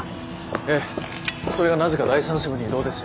ええそれがなぜか第３支部に異動ですよ。